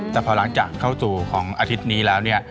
แต่พอหลังจากเข้าสู่ของอาทิตย์นี้แล้วเนี่ย